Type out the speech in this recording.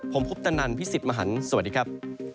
ผมภุตนันท์พิสิตมหันต์สวัสดีครับ